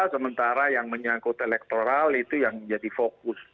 sementara yang menyangkut elektoral itu yang menjadi fokus